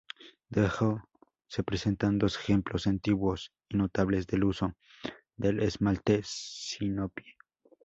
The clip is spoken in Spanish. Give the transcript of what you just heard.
Debajo se presentan dos ejemplos antiguos y notables del uso del esmalte sinople.